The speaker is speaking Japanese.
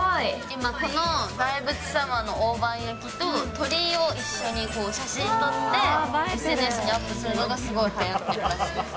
今この大仏様の大判焼きと、鳥居を一緒に写真撮って、ＳＮＳにアップするのがすごいはやってます。